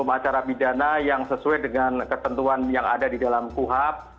secara pidana yang sesuai dengan ketentuan yang ada di dalam kuhp